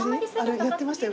やってましたよ